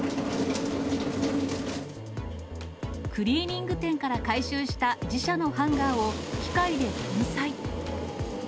クリーニング店から回収した自社のハンガーを、機械で粉砕。